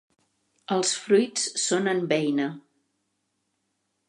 Els fruits són en beina.